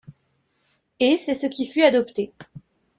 Et, c'est ce qui fut adopté.